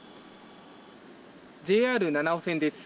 ＪＲ七尾線です。